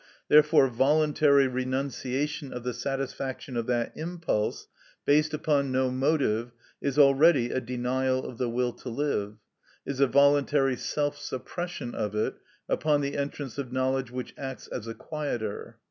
Therefore voluntary renunciation of the satisfaction of that impulse, based upon no motive, is already a denial of the will to live, is a voluntary self suppression of it, upon the entrance of knowledge which acts as a quieter.